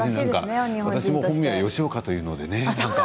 私も本名は吉岡というのでね